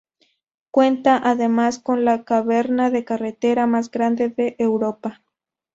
Cuenta, además, con la caverna de carretera más grande de Europa.